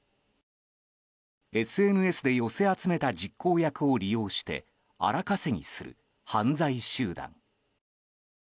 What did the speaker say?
ＳＮＳで寄せ集めた実行役を利用して荒稼ぎする、犯罪集団。